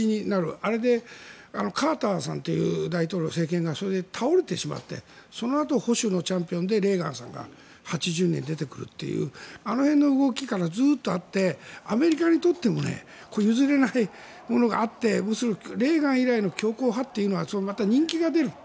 あれでカーターさんという大統領、政権が倒れてしまってそのあと保守のレーガンさんが１９８０年に出てくるというあの辺の動きからずっとあってアメリカにとっても譲れないものがあってレーガン以来の強硬派というのはまた人気が出る。